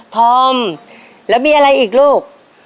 ธอมแล้วมีอะไรอีกลูก